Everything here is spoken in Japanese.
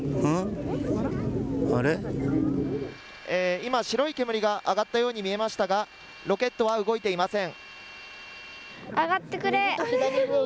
今、白い煙が上がったように見えましたが、ロケットは動いていません。